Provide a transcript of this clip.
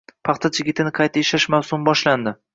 Paxta chigitini qayta ishlash mavsumi boshlandi